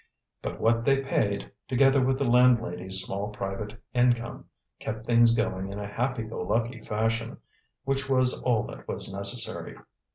But what they paid, together with the landlady's small private income, kept things going in a happy go lucky fashion, which was all that was necessary.